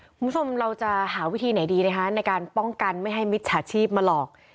คุณผู้ชมเราจะหาวิธีไหนดีนะคะในการป้องกันไม่ให้มิจฉาชีพมาหลอก